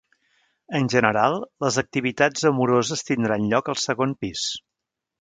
En general, les activitats amoroses tindran lloc al segon pis.